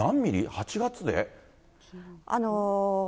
８月で？